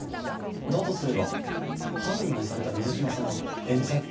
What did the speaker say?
だとすれば犯人にされた水島さんは冤罪？